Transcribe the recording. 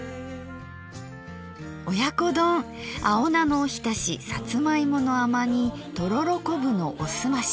親子丼青菜のおひたしさつま芋の甘煮とろろこぶのおすまし。